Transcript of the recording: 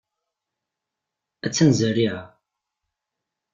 Attan zerriɛa.